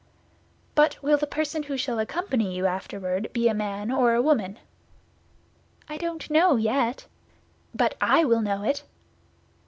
"But will the person who shall accompany you afterward be a man or a woman?" "I don't know yet." "But I will know it!"